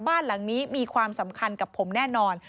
บ้านหลังนี้มีความสำคัญกับผมแน่นอน